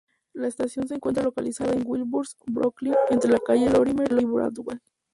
La estación se encuentra localizada en Williamsburg, Brooklyn entre la Calle Lorimer y Broadway.